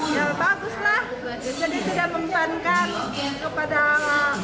ya baguslah jadi tidak memperlankan kepada peserta